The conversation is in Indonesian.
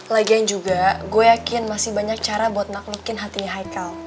lagian juga gue yakin masih banyak cara buat maklukin hati haikal